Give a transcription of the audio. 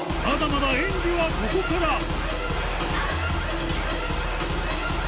まだまだ演技はここから